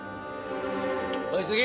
おい次！